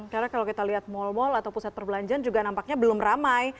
karena kalau kita lihat mal mal atau pusat perbelanjaan juga nampaknya belum ramai